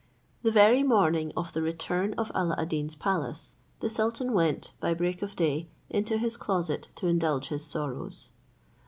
The very morning of the return of Alla ad Deen's palace, the sultan went, by break of day, into his closet to indulge his sorrows.